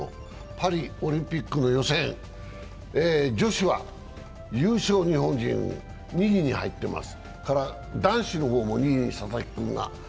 パリオリンピックの予選、女子は優勝・日本人、２位に入っています。